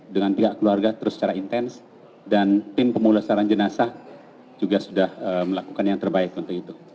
dengan pihak keluarga terus secara intens dan tim pemulasaran jenazah juga sudah melakukan yang terbaik untuk itu